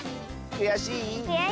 くやしい。